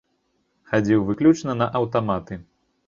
Хадзіў выключна на аўтаматы.